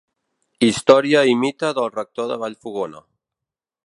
Història i mite del Rector de Vallfogona.